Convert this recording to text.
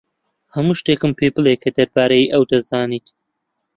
هەموو شتێکم پێ بڵێ کە دەربارەی ئەو دەزانیت.